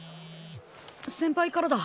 先輩からだ。